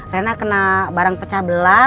rina kena barang pecah belat